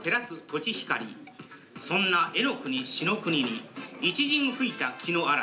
そんな絵の国しのくにに一陣吹いた騏乃嵐。